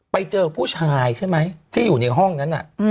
ไปเจอผู้ชายใช่ไหมที่อยู่ในห้องนั้น